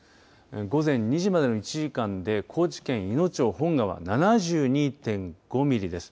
午前２時までの１時間で高知県いの町本川で７２．５ミリです。